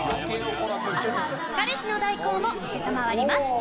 彼氏の代行も承ります。